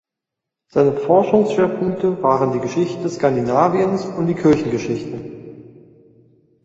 Seine Forschungsschwerpunkte waren die Geschichte Skandinaviens und die Kirchengeschichte.